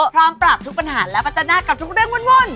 พร้อมปรับทุกปัญหาแล้วปัจจนากับทุกเรื่องวน